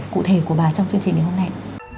cụ thể của bà trong chương trình ngày hôm nay